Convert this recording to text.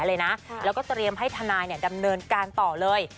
แล้วก็เตรียมให้ทนายดำเนินการต่อเลย